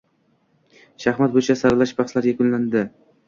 Shaxmat bo‘yicha saralash bahslari yakunlandia